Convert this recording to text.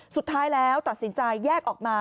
สุดท้ายแล้วตัดสินใจแยกออกมา